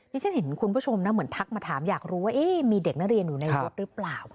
นี่ฉันเห็นคุณประชมทักมาถามอยากรู้ว่ามีเด็กนริยนอยู่รถหรือเปล่า